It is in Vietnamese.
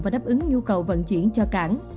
và đáp ứng nhu cầu vận chuyển cho cảng